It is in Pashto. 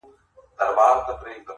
تاته هم یو زر دیناره درکومه,